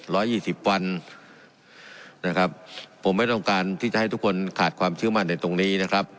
ยี่สิบวันนะครับผมไม่ต้องการที่จะให้ทุกคนขาดความเชื่อมั่นในตรงนี้นะครับ